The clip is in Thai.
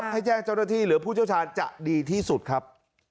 ให้แจ้งเจ้าหน้าที่หรือผู้เชี่ยวชาญจะดีที่สุดครับ